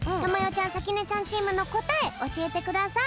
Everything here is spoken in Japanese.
ちゃんさきねちゃんチームのこたえおしえてください。